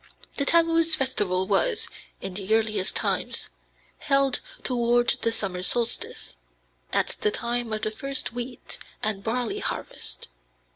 The Tammuz festival was, in the earliest times, held toward the summer solstice, at the time of the first wheat and barley harvest.